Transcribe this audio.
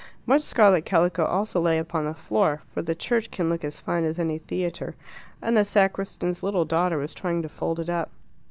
Much scarlet calico also lay upon the floor for the church can look as fine as any theatre and the sacristan's little daughter was trying to fold it up.